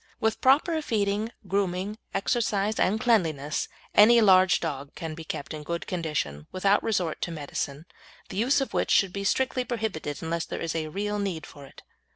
With proper feeding, grooming, exercise, and cleanliness, any large dog can be kept in good condition without resort to medicine, the use of which should be strictly prohibited unless there is real need for it.